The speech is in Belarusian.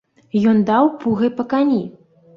Ён даў пугай па кані.